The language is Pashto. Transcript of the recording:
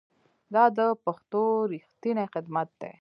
دا د پښتو ریښتینی خدمت دی.